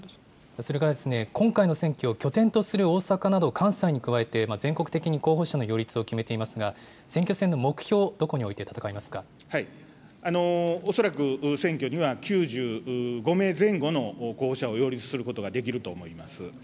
それから、今回の選挙、拠点とする大阪など、関西に加えて、全国的に候補者の擁立を決めていますが、選挙戦の目標、恐らく選挙には９５名前後の候補者を擁立することができると思います。